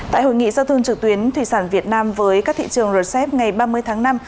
tại hội nghị giao thương trực tuyến thủy sản việt nam với các thị trường rcep ngày ba mươi tháng năm